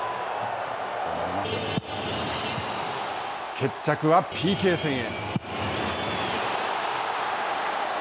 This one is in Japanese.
決着はＰＫ戦へ。